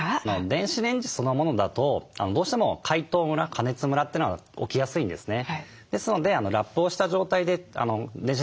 電子レンジそのものだとどうしても解凍ムラ加熱ムラというのが起きやすいんですね。